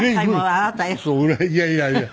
いやいやいや。